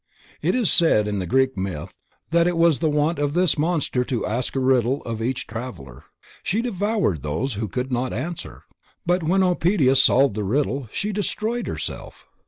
It was said in the Greek myth that it was the wont of this monster to ask a riddle of each traveler. She devoured those who could not answer, but when Oedipus solved the riddle she destroyed herself.